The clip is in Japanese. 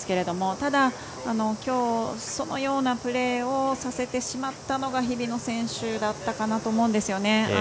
ただ、きょうそのようなプレーをさせてしまったのが日比野選手だったかなと思うんですよね。